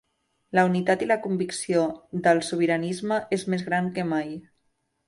La unitat i la convicció del sobiranisme és més gran mai.